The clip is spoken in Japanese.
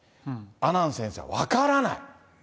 阿南先生は、分からない。